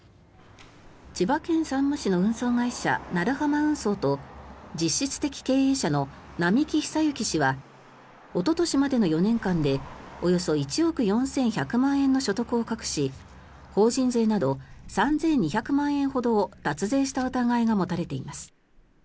千葉県山武市の運送会社鳴浜運送と実質的経営者の並木久幸氏はおととしまでの４年間でおよそ１億４１００万円の所得を隠し法人税など３２００万円ほどを脱税した疑いが持たれています。